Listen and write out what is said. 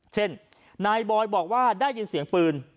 เช่นนายบอยบอกว่าได้ยินเสียงปืน